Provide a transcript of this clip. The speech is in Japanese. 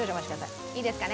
いいですかね？